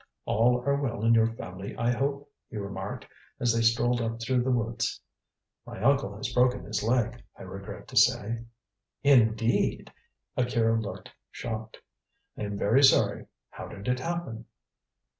"All are well in your family, I hope?" he remarked, as they strolled up through the woods. "My uncle has broken his leg, I regret to say." "Indeed!" Akira looked shocked. "I am very sorry. How did it happen?"